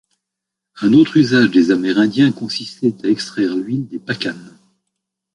Un autre usage des Amérindiens consistait à extraire l’huile des pacanes.